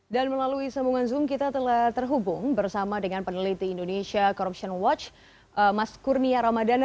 dan melalui sambungan zoom kita telah terhubung bersama dengan peneliti indonesia corruption watch mas kurnia ramadana